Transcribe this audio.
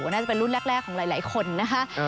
น่าจะเป็นรุ่นแรกของหลายคนนะคะ